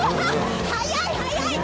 速い速い！